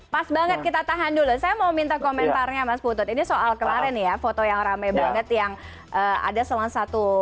pas banget kita tahan dulu saya mau minta komentarnya mas putut ini soal kemarin ya foto yang rame banget yang ada salah satu